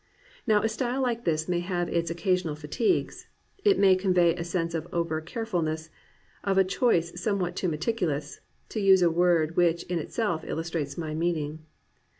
Now a style like this may have its occasional fatigues: it may convey a sense of over carefulness, of a choice somewhat too meticulous, — to use a word which in itself illustrates my meaning.